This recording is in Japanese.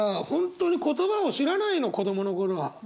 本当に言葉を知らないの子供の頃は。